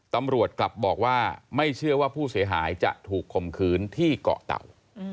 ตำรวจกลับบอกว่าไม่เชื่อว่าผู้เสียหายจะถูกข่มขืนที่เกาะเตา